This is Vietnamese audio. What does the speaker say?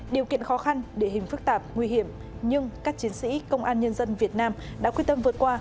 điều kiện khó khăn địa hình phức tạp nguy hiểm nhưng các chiến sĩ công an nhân dân việt nam đã quyết tâm vượt qua